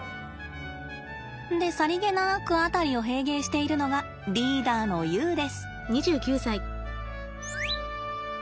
でさりげなく辺りをへいげいしているのがリーダーのユウです。